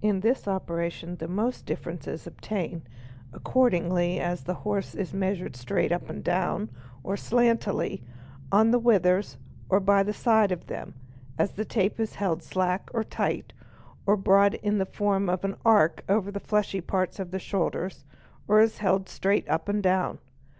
i In this operation the most difference is obtained, according as the horse 1s measured straight up and down or slantingly, on the withers or by the side of them, as the tape is held slack or tight, or brought in the form of an arc over the fleshy parts of the shoulders, or is held straight up and down.